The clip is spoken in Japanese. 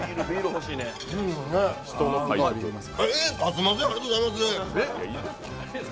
いいっすか、すんません、ありがとうございます！